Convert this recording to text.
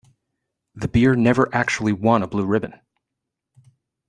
The beer never actually won a blue ribbon.